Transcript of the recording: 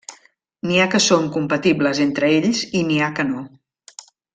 N'hi ha que són compatibles entre ells i n'hi ha que no.